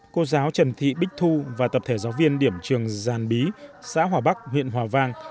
cô giáo trần thị bích thu và tập thể giáo viên điểm trường giàn bí xã hòa bắc huyện hòa vang